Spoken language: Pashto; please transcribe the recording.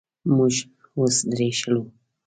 موږ اوس درې شولو.